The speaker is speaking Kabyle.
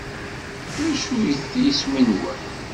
D acu-t yiswi-nwen?